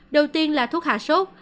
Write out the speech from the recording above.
đầu tiên là thuốc hạ sốt